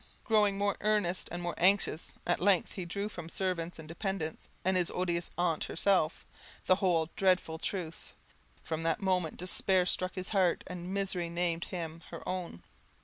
Growing more earnest and more anxious, at length he drew from servants and dependants, and his odious aunt herself, the whole dreadful truth. From that moment despair struck his heart, and misery named him her own.